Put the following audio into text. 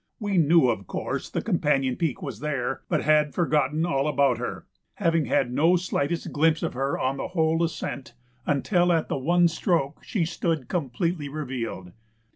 We knew, of course, the companion peak was there, but had forgotten all about her, having had no slightest glimpse of her on the whole ascent until at the one stroke she stood completely revealed.